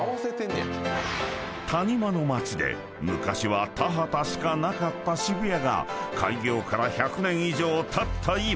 ［谷間の街で昔は田畑しかなかった渋谷が開業から１００年以上たった今］